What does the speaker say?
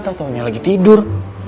takut taunya lagi tidur